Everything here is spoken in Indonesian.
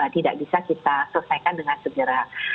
tidak bisa kita selesaikan dengan segera